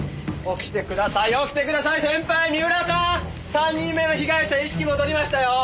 ３人目の被害者意識戻りましたよー！